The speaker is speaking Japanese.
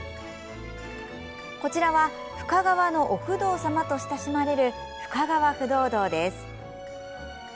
こちらは深川のお不動様と親しまれる、深川不動堂です。